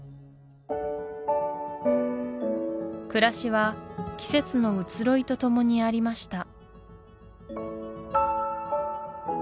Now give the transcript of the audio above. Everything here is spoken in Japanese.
暮らしは季節の移ろいとともにありました